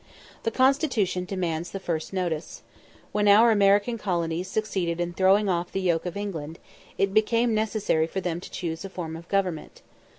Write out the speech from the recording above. The Constitution demands the first notice. When our American colonies succeeded in throwing off the yoke of England, it became necessary for them to choose a form of government.